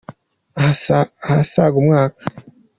ahasaga umwaka.